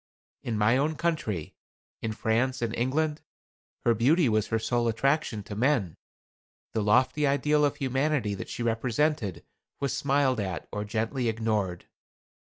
In my own country, in France and England, her beauty was her sole attraction to men. The lofty ideal of humanity that she represented was smiled at or gently ignored.